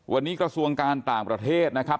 วันนี้กระทรวงการต่างประเทศนะครับ